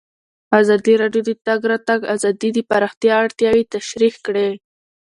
ازادي راډیو د د تګ راتګ ازادي د پراختیا اړتیاوې تشریح کړي.